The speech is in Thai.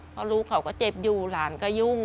เพราะลูกเขาก็เจ็บอยู่หลานก็ยุ่ง